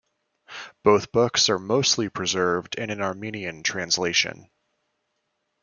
Both books are mostly preserved in an Armenian translation.